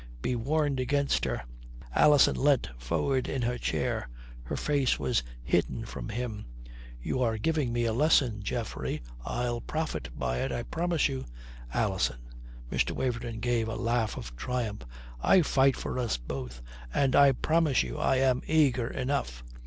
Be warned against her." Alison leant forward in her chair. Her face was hidden from him. "You are giving me a lesson, Geoffrey. I'll profit by it, I promise you!" "Alison!" Mr. Waverton gave a laugh of triumph. "I fight for us both. And I promise you I am eager enough.